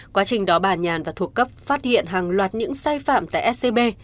quá trình đó bà nhàn và thuộc cấp phát hiện hàng loạt những sai phạm tại scb